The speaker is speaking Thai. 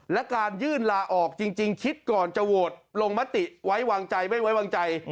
และการยื่นลาออกจริงคิดก่อนจะโหวตลงมติไว้วางใจไม่ไว้วางใจ